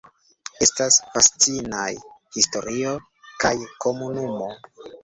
Estas fascinaj historio kaj komunumo.